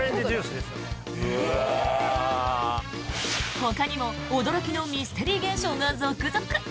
ほかにも驚きのミステリー現象が続々。